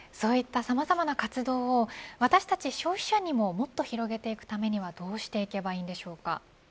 こうしたさまざまな活動を私たち消費者にももっと広げるためにはどうしたらいいでしょうか。